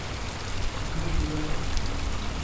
— Кӧ тудо тугай?